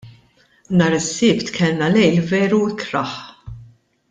Nhar is-Sibt kellna lejl veru ikrah.